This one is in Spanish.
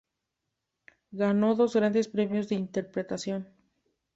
Ganó dos grandes premios de interpretación.